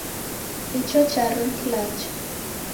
Icho charo ni kilacha.